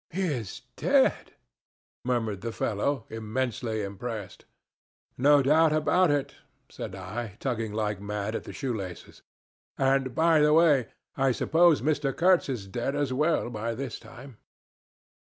'He is dead,' murmured the fellow, immensely impressed. 'No doubt about it,' said I, tugging like mad at the shoe laces. 'And, by the way, I suppose Mr. Kurtz is dead as well by this time.'